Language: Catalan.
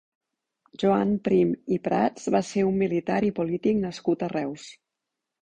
Joan Prim i Prats va ser un militar i polític nascut a Reus.